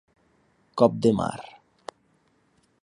Cop de mar.